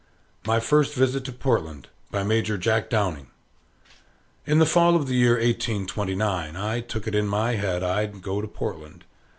MY FIRST VISIT TO PORTLAND BY MAJOR JACK DOWNING In the fall of the year 1829, I took it into my head I'd go to Portland.